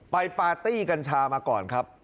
ปาร์ตี้กัญชามาก่อนครับ